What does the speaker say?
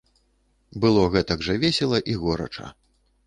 Было гэтак жа весела і горача.